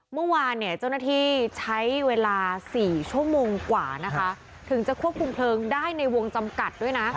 เมื่อวานเนี่ยเจ้าหน้าที่ใช้เวลา๔ชั่วโมงกว่านะคะถึงจะควบคุมเพลิงได้ในวงจำกัดด้วยนะ